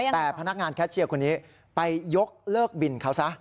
แต่พนักงานแคชเชียร์คนนี้ไปยกเลิกบินเขาซะ